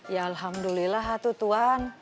ya alhamdulillah hatu tuhan